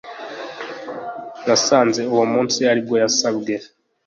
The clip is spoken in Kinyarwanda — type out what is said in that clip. nasanze uwo munsi aribwo yasabwe